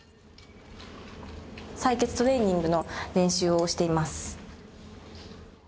採血トレーニングの練習をしています。